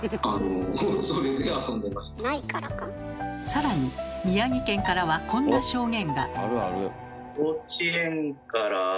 さらに宮城県からはこんな証言が。